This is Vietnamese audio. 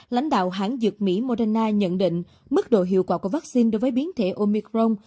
lãnh đạo hãng dược mỹ moderna nhận định mức độ hiệu quả của vaccine đối với biến thể omicron